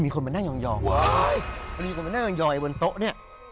มีคนมานั่งยองบนโต๊ะนั้น